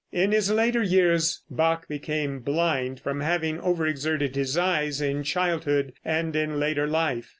In his later years Bach became blind from having over exerted his eyes in childhood and in later life.